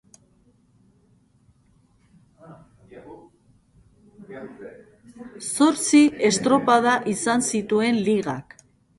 Zortzi estropada izan zituen Ligak.